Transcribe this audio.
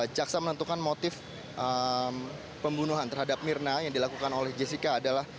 jaksa menentukan motif pembunuhan terhadap mirna yang dilakukan oleh jessica adalah